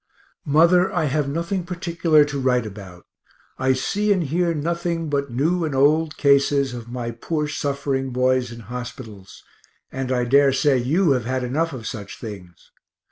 Mother, I have nothing particular to write about I see and hear nothing but new and old cases of my poor suffering boys in hospitals, and I dare say you have had enough of such things.